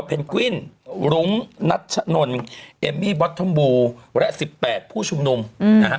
เนกวินรุ้งนัชนนเอมมี่บอทอมบูและ๑๘ผู้ชุมนุมนะฮะ